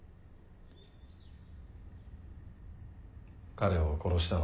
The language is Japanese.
彼を殺したのは。